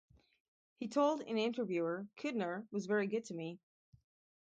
He told an interviewer, Kudner was very good to me.